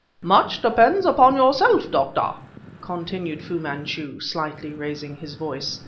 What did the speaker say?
"Much depends upon yourself, Doctor," continued Fu Manchu, slightly raising his voice.